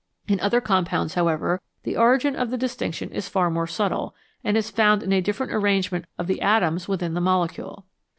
In other compounds, however, the origin of the distinction is far more subtle, and is found in a different arrangement of the atoms within the mole cule.